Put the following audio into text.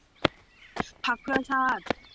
พรรคเพื่อชาติ